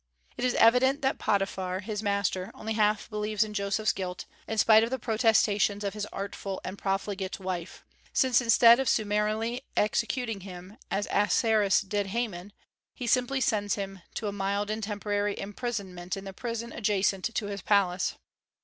It is evident that Potiphar, his master, only half believes in Joseph's guilt, in spite of the protestations of his artful and profligate wife, since instead of summarily executing him, as Ahasuerus did Haman, he simply sends him to a mild and temporary imprisonment in the prison adjacent to his palace.